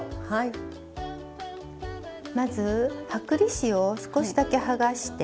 まず剥離紙を少しだけはがして。